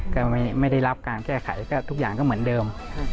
ก็ไม่ได้รับการแก้ไขก็ทุกอย่างก็เหมือนเดิม